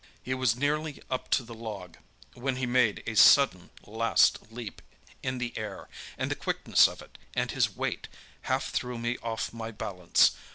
"He was nearly up to the log, when he made a sudden, last leap in the air, and the quickness of it and his weight half threw me off my balance.